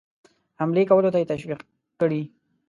حملې کولو ته یې تشویق کړي.